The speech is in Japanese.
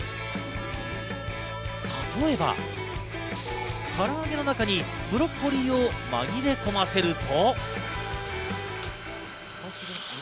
例えば、から揚げの中にブロッコリーを紛れ込ませると。